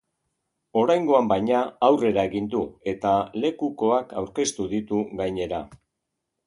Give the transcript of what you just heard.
Oraingoan, baina, aurrera egin du, eta lekukoak aurkeztu ditu gainera.